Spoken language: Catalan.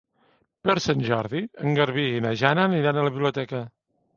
Per Sant Jordi en Garbí i na Jana aniran a la biblioteca.